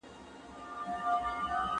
د الله بښنې ته هيله من اوسئ.